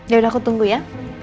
yaudah aku tunggu ya